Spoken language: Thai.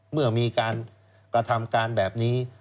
เมื่อมีการกระทำการแบบนี้